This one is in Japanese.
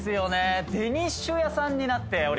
デニッシュ屋さんになっております。